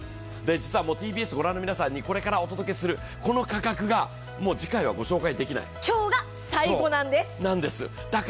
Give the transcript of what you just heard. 実はＴＢＳを御覧の皆さんにお届けするこの価格が次回はご紹介できないラストチャンスです。